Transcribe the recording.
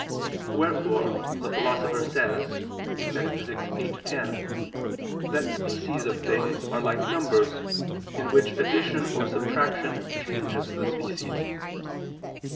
Wherefore, the Philosopher says (Metaph. viii, text. 10) that species of things are like numbers, in which addition or subtraction changes the species.